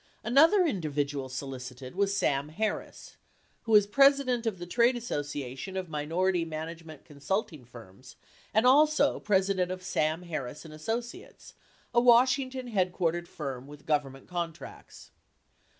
Another individual solicited was Sam Harris, who is president of the Trade Association of Minority Management Consulting Firms and also president of Sam Harris & Associates, a Washington headquar tered firm with Government contracts.